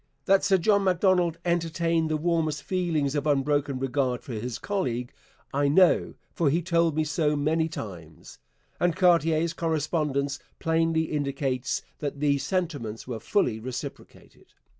That Sir John Macdonald entertained the warmest feelings of unbroken regard for his colleague, I know, for he told me so many times; and Cartier's correspondence plainly indicates that these sentiments were fully reciprocated.